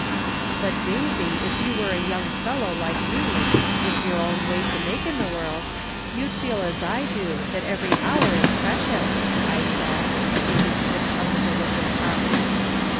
" But, Daisy, if you were a young fellow hke 10 From Different Standpoints. me, with your own way to make in tlie world, you'd feel as I do, that every hour is precious," I said, taking sips of the delicious coffee.